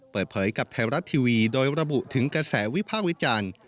เปิดเผยกับไทยรัฐทีวีโดยระบุถึงกระแสวิพากษ์วิจารณ์